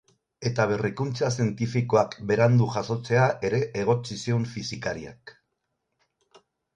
Eta berrikuntza zientifikoak berandu jasotzea ere egotzi zion fisikariak.